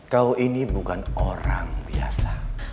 kau ini bukan orang biasa